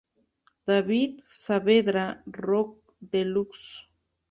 David Saavedra, Rockdelux.